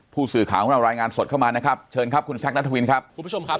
ผู้สื่อข่าวของเรารายงานสดเข้ามานะครับเชิญครับคุณแซคนัทวินครับคุณผู้ชมครับ